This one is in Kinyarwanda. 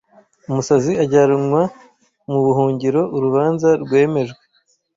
Umusazi ajyanwa mubuhungiro urubanza rwemejwe ,